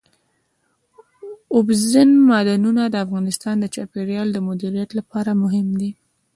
اوبزین معدنونه د افغانستان د چاپیریال د مدیریت لپاره مهم دي.